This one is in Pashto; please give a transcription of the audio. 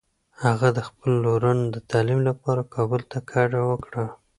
هغه د خپلو لورانو د تعلیم لپاره کابل ته کډه وکړه.